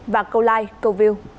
và câu like câu view